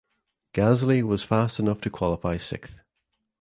Gasly was fast enough to qualify sixth.